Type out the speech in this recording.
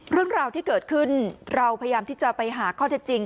เรื่องราวที่เกิดขึ้นเราพยายามที่จะไปหาข้อเท็จจริง